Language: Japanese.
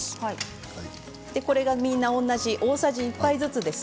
これが、みんな同じ大さじ１杯ずつです。